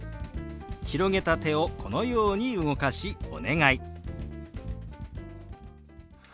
広げた手をこのように動かし「お願い」。